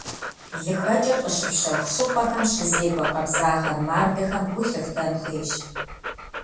ЛыхэкӀыр къыщыфщэху щӀыпӀэхэм щызекӀуэ къабзагъэ мардэхэм гу лъыфтэн хуейщ.